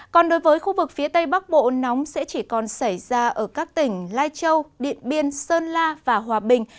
còn đối với khu vực phía tây bắc bộ nóng sẽ chỉ còn xảy ra ở các tỉnh lai châu điện biên sơn la và hòa bình